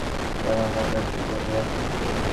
Sir, আমার কাছে বিকল্প রাস্তা আছে।